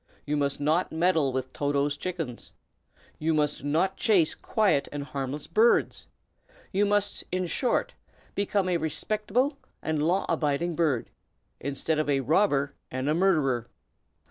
You must not meddle with Toto's chickens; you must not chase quiet and harmless birds. You must, in short, become a respectable and law abiding bird, instead of a robber and a murderer."